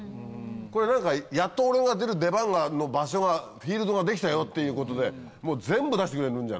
これ「やっと俺が出る出番の場所がフィールドができたよ」っていうことで全部出してくれるんじゃない？